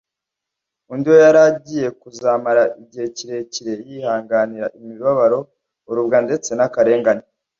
undi we yari agiye kuzamara igihe kirekire yihanganira imibabaro, urubwa ndetse n' akarengane.